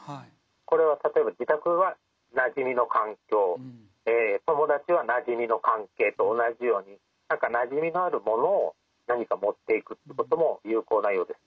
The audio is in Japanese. これは例えば自宅はなじみの環境友達はなじみの関係と同じようになじみのあるものを何か持っていくということも有効なようです。